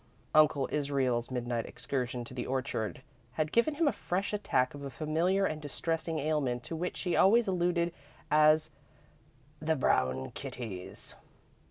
Uncle Israel's midnight excursion to the orchard had given him a fresh attack of a familiar and distressing ailment to which he always alluded as "the brown kittys."